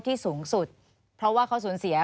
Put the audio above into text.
ที่สูงสุดเพราะว่าเขาสูญเสีย